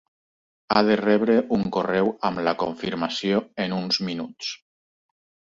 Ha de rebre un correu amb la confirmació en uns minuts.